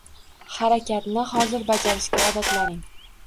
Harakatni hozir bajarishga odatlaning